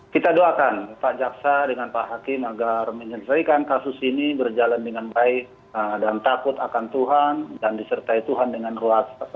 kita doakan pak jaksa dengan pak hakim agar menyelesaikan kasus ini berjalan dengan baik dan takut akan tuhan dan disertai tuhan dengan ruas